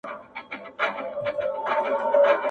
او یوازي د ښکلیو کلماتو او ترکیبونو یو لاړ وي -